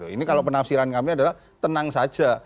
ini kalau penafsiran kami adalah tenang saja